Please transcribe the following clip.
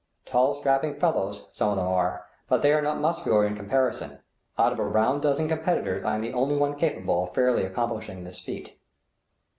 Tall, strapping fellows some of them are, but they are not muscular in comparison; out of a round dozen competitors I am the only one capable of fairly accomplishing this feat.